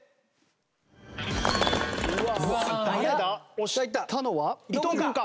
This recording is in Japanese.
押したのは伊藤君か？